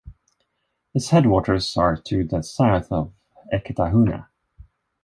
Its headwaters are to the south of Eketahuna.